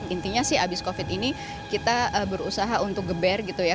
intinya sih abis covid ini kita berusaha untuk geber gitu ya